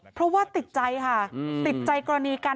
เพราะว่าติดใจค่ะติดใจกรณีการนำศพไปชนะสูตร